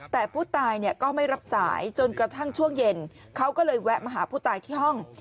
แต่ผู้ตายก็ไม่รับสายจนกระทั่งช่วงเย็นเขาก็เลยแวะมาหาผู้ตายที่ห้อง